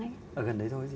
ở gần đấy thôi